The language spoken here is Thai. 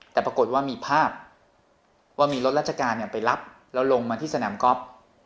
แต่ปรากฏว่ามีภาพว่ามีรถราชการไปรับแล้วลงมาที่สนามก๊อฟ